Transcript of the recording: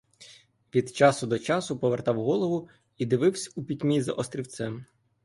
Від часу до часу повертав голову і дививсь у пітьмі за острівцем.